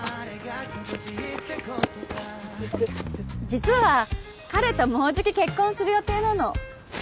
実は彼ともうじき結婚する予定なの。